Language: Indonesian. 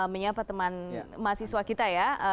menyapa teman mahasiswa kita ya